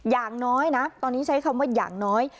อย่างน้อยนะตอนนี้ใช้คำว่าอย่างน้อย